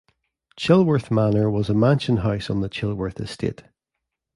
Chilworth Manor was a mansion house on the Chilworth Estate.